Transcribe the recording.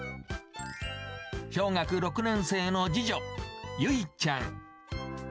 小学６年生の次女、結ちゃん。